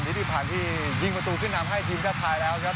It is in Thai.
ฮิทธิพันธ์ที่ยิงประตูขึ้นน้ำให้ทีมชาติไทยแล้วครับ